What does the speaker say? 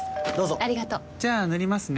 ありがとう。